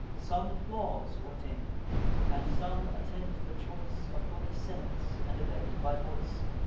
Some laws ordain; and some attend the choice Of holy senates, and elect by voice.